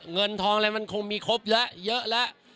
เงินทองอะไรมันคงมีครบแล้วเยอะแล้ว